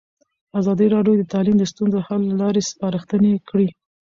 ازادي راډیو د تعلیم د ستونزو حل لارې سپارښتنې کړي.